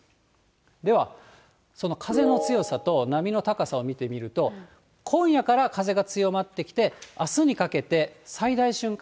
では、その風の強さと波の高さを見てみると、今夜から風が強まってきて、あすにかけて最大瞬間